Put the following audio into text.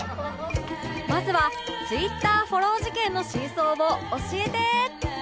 まずは Ｔｗｉｔｔｅｒ フォロー事件の真相を教えて